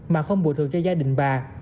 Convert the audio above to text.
mà không bùi thường cho gia đình bà